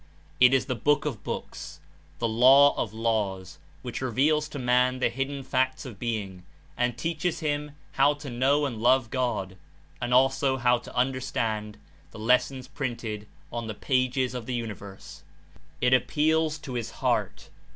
It Is the Book of books, the Law of laws, which reveals to man the hidden facts of being and teaches him how to know and love God and also how to understand the les sons printed on the pages of the universe. It appeals to his heart.